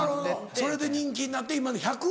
それで人気になって今１００。